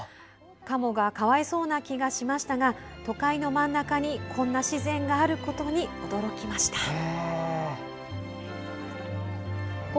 カモがかわいそうな気がしましたが都会の真ん中に、こんな自然があることに驚きました。